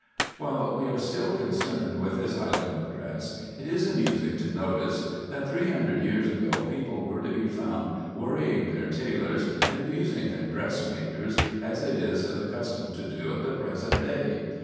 While we are still concerned with this item of dress it is amusing to notice that three hundred years ago people were to be found worrying their tailors and abusing their dressmakers as it is the custom to do at the present day.